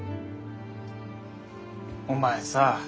お前さ。